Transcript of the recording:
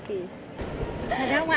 thật không ạ